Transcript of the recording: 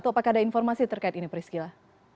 apakah ada informasi terkait ini priscila